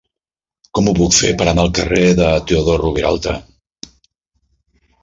Com ho puc fer per anar al carrer de Teodor Roviralta?